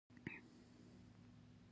زه د خپل هدف لپاره کار کولو ته اړتیا لرم.